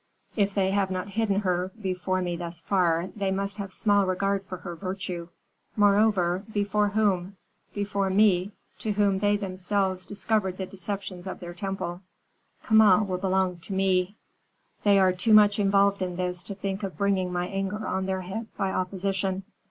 If they have not hidden her before me thus far, they must have small regard for her virtue. Moreover, before whom? Before me, to whom they themselves discovered the deceptions of their own temple. Kama will belong to me. They are too much involved in this to think of bringing my anger on their heads by opposition."